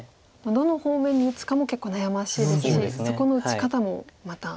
どの方面に打つかも結構悩ましいですしそこの打ち方もまた。